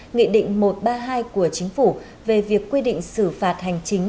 nghị định một trăm ba mươi hai của chính phủ về việc quy định xử phạt hành chính